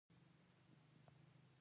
آیا جومات د پښتنو د کلي مرکز نه وي؟